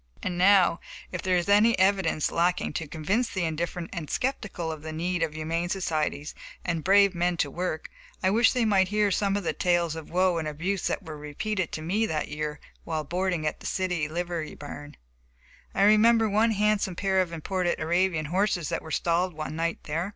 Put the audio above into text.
And now, if there is any evidence lacking to convince the indifferent and skeptical of the need of humane societies and brave men to work, I wish they might hear some of the tales of woe and abuse that were repeated to me that year while boarding at a city livery barn. I remember one handsome pair of imported Arabian horses that were stalled one night there.